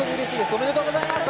おめでとうございます！